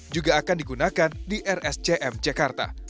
juga akan digunakan di rscm jakarta